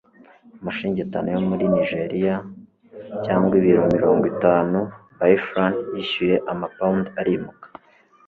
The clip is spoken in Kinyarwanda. amashiringi atanu yo muri nigeriya cyangwa ibiro mirongo itanu biafran. yishyuye amapound, arimuka